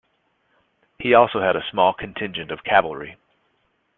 He also had a small contingent of cavalry.